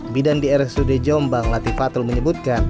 bidan di rsud jombang latifatul menyebutkan